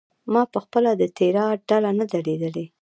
ما پخپله د تیراه ډله نه ده لیدلې.